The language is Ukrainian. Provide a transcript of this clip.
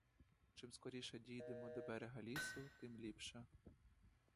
Чим скоріше дійдемо до берега лісу, тим ліпше.